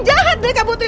jahat mereka putri